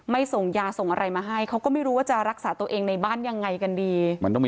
ส่งยาส่งอะไรมาให้เขาก็ไม่รู้ว่าจะรักษาตัวเองในบ้านยังไงกันดี